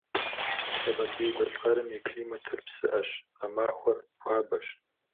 Къэбэрдей-Балъкъэрым и климатыр псыӏэщ, гъэмахуэр хуабэщ.